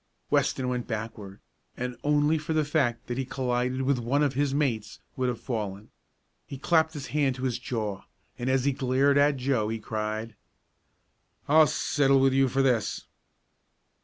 Weston went backward, and only for the fact that he collided with one of his mates would have fallen. He clapped his hand to his jaw, and as he glared at Joe he cried: "I'll settle with you for this!"